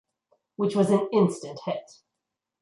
Which was an Instant hit.